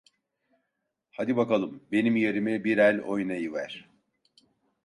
Hadi bakalım, benim yerime bir el oynayıver.